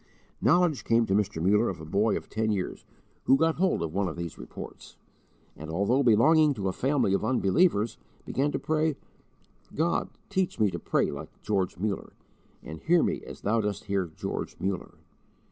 Knowledge came to Mr. Muller of a boy of ten years who got hold of one of these Reports, and, although belonging to a family of unbelievers, began to pray: "God, teach me to pray like George Muller, and hear me as Thou dost hear George Muller."